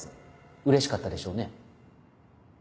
うれしかったでしょうね。